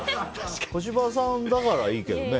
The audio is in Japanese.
小芝さんだからいいけどね。